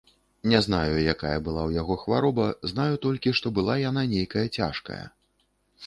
Не знаю, якая была ў яго хвароба, знаю толькі, што была яна нейкая цяжкая.